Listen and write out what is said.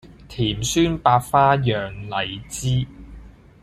甜酸百花釀荔枝